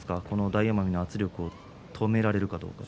大奄美の圧力を止められるかどうか。